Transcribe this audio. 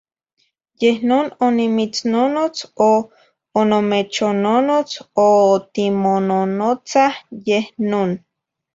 Yeh non onimitznonotz, o onomechonnonotz, o timononotzah, yeh non.